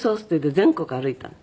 全国歩いたの。